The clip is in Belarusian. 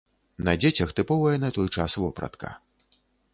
На дзецях тыповая на той час вопратка.